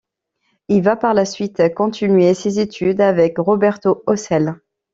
Il va par la suite continuer ses études avec Roberto Aussel.